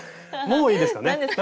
もういいですかね。